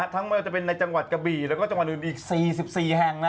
ทั้งมันจะเป็นในจังหวัดกะบี่แล้วก็จังหวัดอื่นอีกสี่สิบสี่แห่งนะ